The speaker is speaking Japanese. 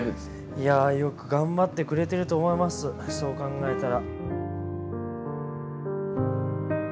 いやあよく頑張ってくれてると思いますそう考えたら。